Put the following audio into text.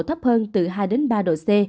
thấp hơn từ hai ba độ c